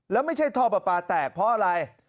แล้วไม่ใช่ท่อปลาปลาแตกเพราะอะไร